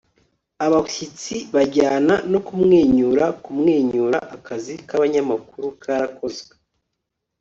Abashyitsi bajyana no kumwenyura kumwenyura akazi kabanyamakuru karakozwe